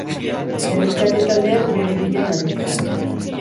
Erreskate taldeak bere bila dabiltza.